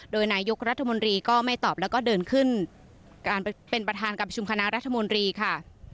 โดยนายกรัฐมนตรีก็ไม่ตอบแล้วก็เดินขึ้นการเป็นประธานการประชุมคณะรัฐมนตรีค่ะ